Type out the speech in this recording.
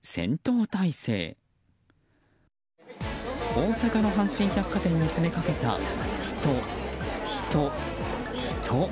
大阪の阪神百貨店に詰めかけた人、人、人。